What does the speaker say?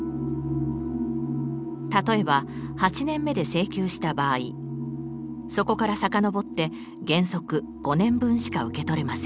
例えば８年目で請求した場合そこから遡って原則５年分しか受け取れません。